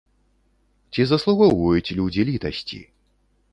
Ці заслугоўваюць людзі літасці?